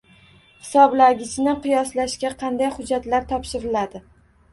Hisoblagichni qiyoslashga qanday hujjatlar topshiriladi?